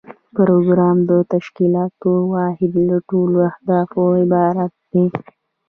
پروګرام د تشکیلاتي واحد له ټولو اهدافو عبارت دی.